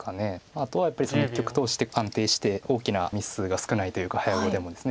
とはいえやっぱり一局通して安定して大きなミスが少ないというか早碁でもです。